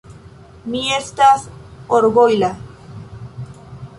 Mi estas orgojla.